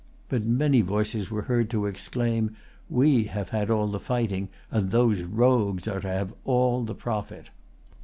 But many voices were heard to exclaim, "We have had all the fighting, and those rogues are to have all the profit!"